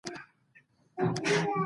غیرت له زړه راولاړېږي